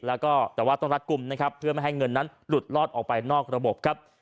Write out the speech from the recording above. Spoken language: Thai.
แล้วก็แต่ว่าต้องรัดกลุ่มนะครับเพื่อไม่ให้เงินนั้นหลุดลอดออกไปนอกระบบครับ